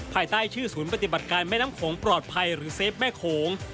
ภายใต้ชื่อศูนย์ปฏิบัติการแม่น้ำโขงปลอดภัยหรือเซฟแม่โขง